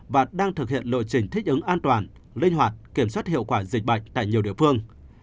và đang thực hiện lộ trình thích ứng an toàn linh hoạt kiểm soát hiệu quả dịch bệnh tại nhiều địa phương